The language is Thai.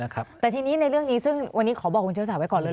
แต่ทีนี้ในเรื่องนี้ซึ่งวันนี้ขอบอกคุณเชื้อศาไว้ก่อนเลย